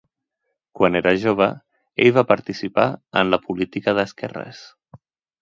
Quan era jove, ell va participar en la política d'esquerres.